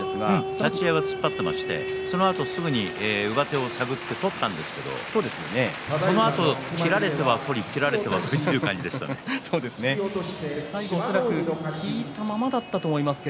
立ち合いは突っ張っていましてそのあとすぐに上手を探って取ったんですけどそのあと切られては取り切られては取り最後、恐らく引いたままだったと思いますが